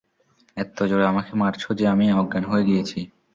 এত্তো জোরে আমাকে মারছ যে আমি অজ্ঞান হয়ে গিয়েছি।